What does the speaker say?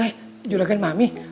eh juragan mami